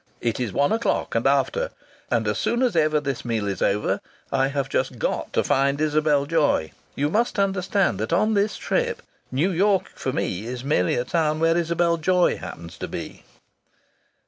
It is one o'clock and after, and as soon as ever this meal is over I have just got to find Isabel Joy. You must understand that on this trip New York for me is merely a town where Isabel Joy happens to be."